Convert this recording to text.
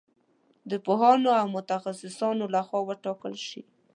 د پوهانو او متخصصانو له خوا وکتل شي.